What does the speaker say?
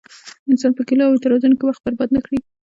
انسان په ګيلو او اعتراضونو کې وخت برباد نه کړي.